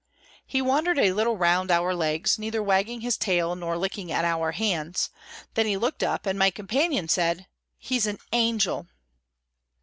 He wandered a little round our legs, neither wagging his tail nor licking at our hands; then he looked up, and my companion said: "He's an angel!"